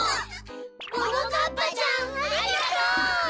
ももかっぱちゃんありがとう！